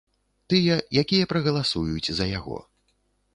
Тыя, якія прагаласуюць за яго.